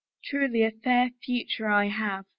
" Truly a fair future I have